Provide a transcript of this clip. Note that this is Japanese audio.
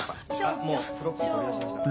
・もうフロッピー取り出しましたから。